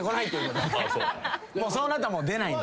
もうそうなったら出ない。